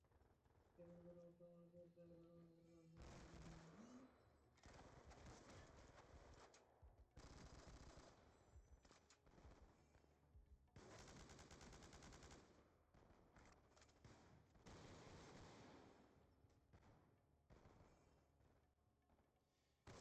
কিন্তু দুর্ভাগ্যজনকভাবে আমরা রাষ্ট্রের হাতে সবকিছু ছেড়ে দিয়ে চুপচাপ বসে থাকি।